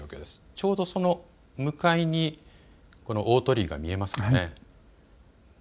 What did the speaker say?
ちょうどその向かいにこの大鳥居が見えますかね。